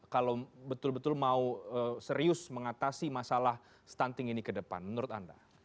kalau betul betul mau serius mengatasi masalah stunting ini ke depan menurut anda